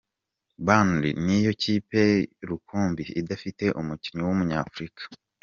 Burnley ni yo kipe rukumbi idafite umukinnyi w’Umunyafurika.